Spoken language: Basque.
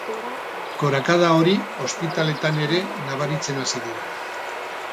Gorakada hori ospitaleetan ere nabaritzen hasi dira.